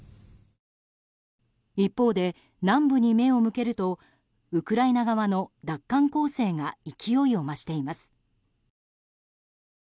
一方で、南部に目を向けるとウクライナ側の奪還攻勢が勢いを増しています。